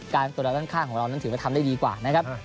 ตัวเราด้านข้างของเรานั้นถือว่าทำได้ดีกว่านะครับ